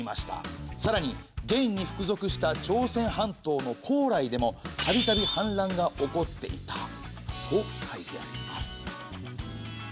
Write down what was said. さらに元に服属した朝鮮半島の高麗でもたびたび反乱が起こっていたと書いてあります。